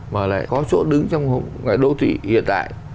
mà lại có chỗ đứng trong đô thị hiện đại